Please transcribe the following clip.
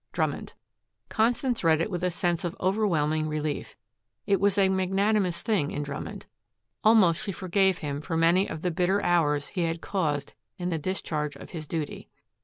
"DRUMMOND." Constance read it with a sense of overwhelming relief. It was a magnanimous thing in Drummond. Almost she forgave him for many of the bitter hours he had caused in the discharge of his duty.